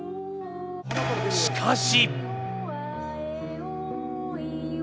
しかし。